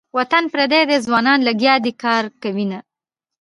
وطن پردی ده ځوانان لګیا دې کار کوینه.